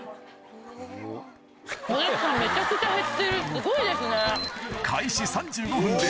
すごいですね。